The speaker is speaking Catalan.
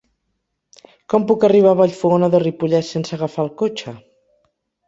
Com puc arribar a Vallfogona de Ripollès sense agafar el cotxe?